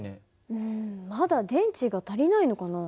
うんまだ電池が足りないのかな？